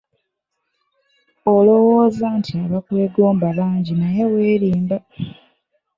Olowooza nti abakwegomba bangi naye weerimba.